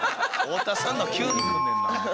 太田さんの急にくんねんな。